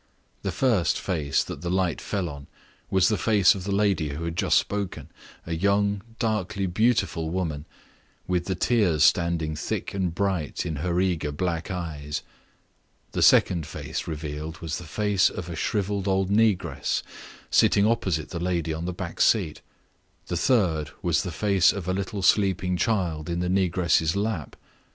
The first face that the light fell on was the face of the lady who had just spoken a young, darkly beautiful woman, with the tears standing thick and bright in her eager black eyes. The second face revealed was the face of a shriveled old negress, sitting opposite the lady on the back seat. The third was the face of a little sleeping child in the negress's lap.